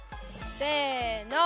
せの。